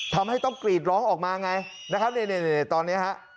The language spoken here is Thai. ทำให้ต้องกรีดร้องออกมาไงนะครับตอนนี้ฮะ